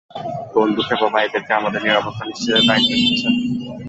কোন দুঃখে বাবা এদেরকে আমাদের নিরাপত্তা নিশ্চিতের দায়িত্ব দিচ্ছেন?